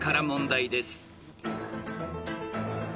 問題です］